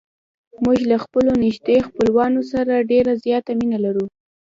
موږ له خپلو نږدې خپلوانو سره ډېره زیاته مینه لرو.